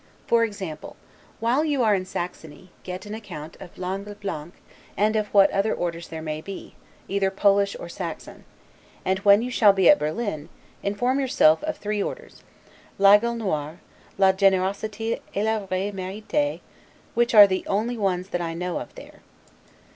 For example, while you are in Saxony, get an account of l'Aigle Blanc and of what other orders there may be, either Polish or Saxon; and, when you shall be at Berlin, inform yourself of three orders, l'Aigle Noir, la Generosite et le Vrai Merite, which are the only ones that I know of there.